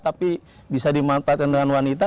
tapi bisa dimanfaatkan dengan wanita